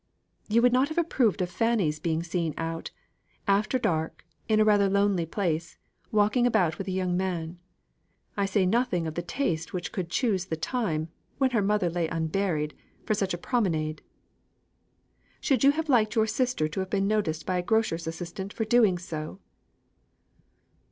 "You would not have approved of Fanny's being seen out, after dark, in rather a lonely place, walking about with a young man. I say nothing of the taste which could choose the time, when her mother lay unburied, for such a promenade. Should you have liked your sister to have been noticed by a grocer's assistant for doing so?"